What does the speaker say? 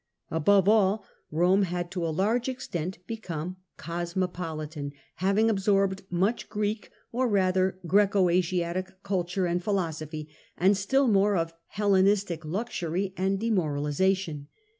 Above all, Rome bad to a large extent become cosmopolitan, having absorbed nincli Greek, or rather Grseco Asiatic, culture and philosophy, and still more of Hellenistic luxury and demoralisation.